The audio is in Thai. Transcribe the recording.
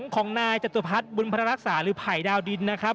ของนายจตุพัฒน์บุญพระรักษาหรือไผ่ดาวดินนะครับ